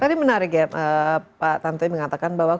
tadi menarik ya pak tantowi mengatakan bahwa